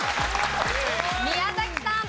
宮崎さん。